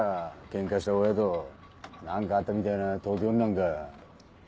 ケンカした親と何かあったみたいな東京になんか。